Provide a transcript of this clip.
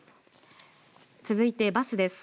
続いてバスです。